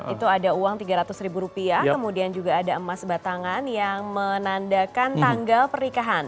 itu ada uang tiga ratus ribu rupiah kemudian juga ada emas batangan yang menandakan tanggal pernikahan